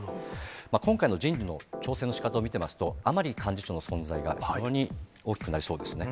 今回の人事の調整のしかたを見ていますと、甘利幹事長の存在が非常に大きくなりそうですね。